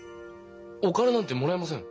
お金なんてもらえません。